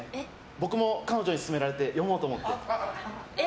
僕も彼女に勧められて読もうと思って。